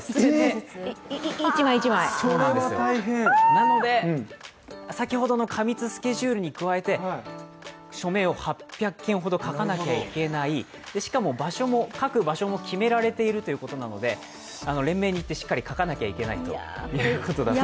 なので、先ほどの過密スケジュールに加えて署名を８００件ほど書かなきゃいけない、しかも、書く場所も決められてるということで連盟に行ってしっかり書かなきゃいけないということだそうです。